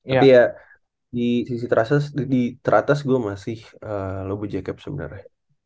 tapi ya di sisi teratas gua masih lobo jacob sebenarnya